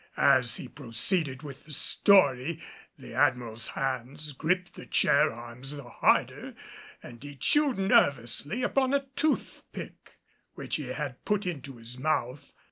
As he proceeded with the story the Admiral's hands gripped the chair arms the harder and he chewed nervously upon a toothpick, which he had put into his mouth.